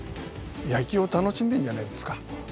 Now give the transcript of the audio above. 野球を楽しんでいるんじゃないですか。